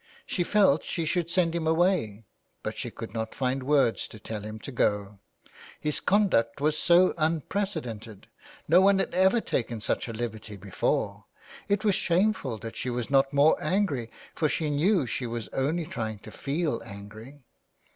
She felt she should send him away, but she could not find words to tell him to go. His conduct was so unprecedented ; no one had ever taken such a liberty before. It was shameful that she was not more angry, for she knew she was only trying to feel angry.